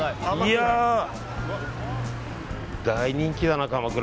大人気だな、鎌倉。